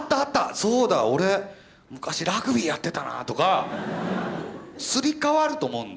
そうだ俺昔ラグビーやってたな」とかすり替わると思うんだ。